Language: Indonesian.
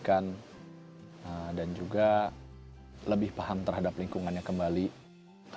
jadi hal benda yang saya pikirkan ini adalah